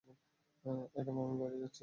Adam, আমি বাইরে যাচ্ছি।